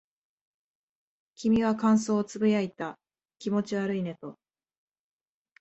君は感想を呟いた。気持ち悪いねと。